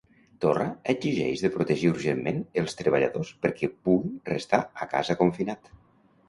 Torra exigeix de protegir urgentment els treballadors perquè pugui restar a casa confinat.